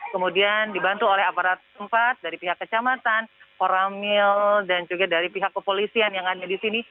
kemudian dibantu oleh aparat tempat dari pihak kecamatan koramil dan juga dari pihak kepolisian yang ada di sini